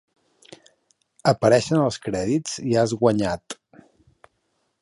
Apareixen els crèdits i has guanyat.